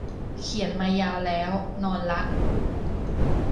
เขียนมายาวแล้ว นอนละ